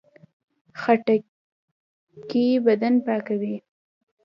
خټکی بدن پاکوي.